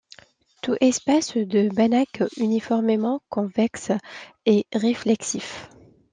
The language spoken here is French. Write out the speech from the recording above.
Tout espace de Banach uniformément convexe est réflexif.